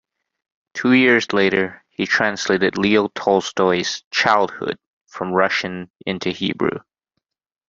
Two years later, he translated Leo Tolstoy's "Childhood" from Russian into Hebrew.